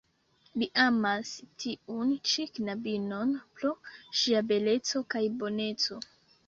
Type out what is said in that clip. Li amas tiun ĉi knabinon pro ŝia beleco kaj boneco.